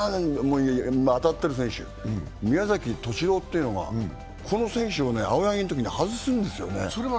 今当たっている選手、宮崎敏郎というこの選手を青柳のときに外すんですよね。